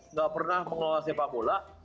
nggak pernah mengelola sepak bola